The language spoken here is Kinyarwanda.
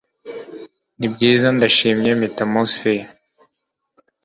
nibyiza! ndashimye metamorphose ye